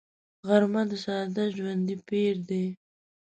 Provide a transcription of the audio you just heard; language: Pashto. غرمه د ساده ژوندي پېر دی